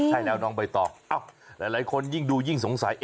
ใช่แล้วน้องใบตองหลายคนยิ่งดูยิ่งสงสัย